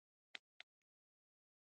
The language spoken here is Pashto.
پیاله د پند و حکمت راز ده.